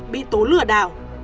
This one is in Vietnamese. bị tố lừa đảo